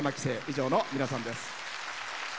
以上の皆さんです。